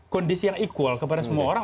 kondisi yang equal kepada semua orang